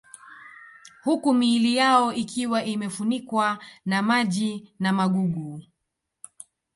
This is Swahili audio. Huku miili yao ikiwa imefunikwa na maji na magugu